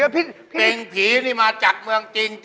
เป็นเพลงผีนี่มาจากเมืองจริง